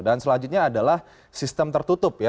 dan selanjutnya adalah sistem tertutup